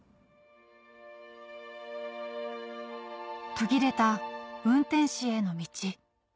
途切れた運転士への道